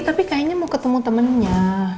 tapi kayaknya mau ketemu temennya